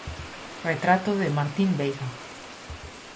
Retrato de Martín Veiga.